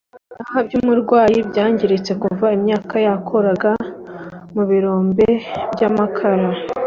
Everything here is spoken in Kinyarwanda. ibihaha byumurwayi byangiritse kuva imyaka yakoraga mu birombe byamakara